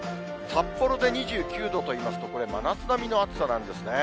札幌で２９度といいますと、これ、真夏並みの暑さなんですね。